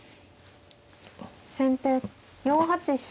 先手４八飛車。